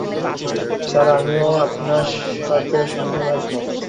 Sir, আমিও আপনার সাথে সম্পূর্ণ একমত।